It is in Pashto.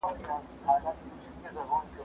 زه مخکي د کتابتون د کار مرسته کړې وه،